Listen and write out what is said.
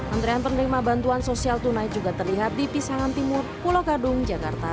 antrean penerima bantuan sosial tunai juga terlihat di pisangan timur pulau kadung jakarta